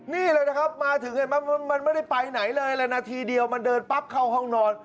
นี่เลยนะครับมาถึงเห็นไหมมันไม่ได้ไปไหนเลยเลยนาทีเดียวมันเดินปั๊บเข้าห้องนอน